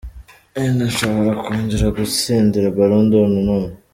Wenda nshobora kongera gutsindira Ballon d'Or nanone.